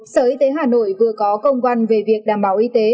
sở y tế hà nội vừa có công văn về việc đảm bảo y tế